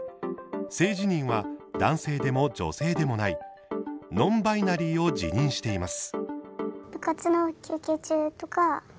性自認は男性でも女性でもないノンバイナリーを自認しています。